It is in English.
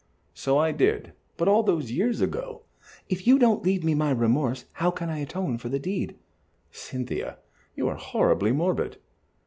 "So I did, but all those years ago!" "If you don't leave me my remorse, how can I atone for the deed?" "Cynthia, you are horribly morbid."